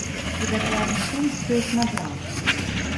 І дакладна тым, хто іх набраў.